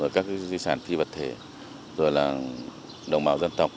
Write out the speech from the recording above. các di sản phi vật thể rồi là đồng bào dân tộc